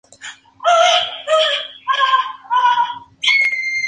Se especializó en seguridad e inteligencia.